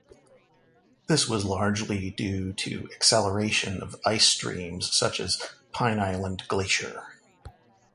This was largely due to acceleration of ice streams such as Pine Island Glacier.